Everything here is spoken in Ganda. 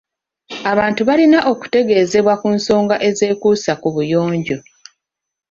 Abantu balina okutegezebwa ku nsonga ezeekuusa ku buyonjo.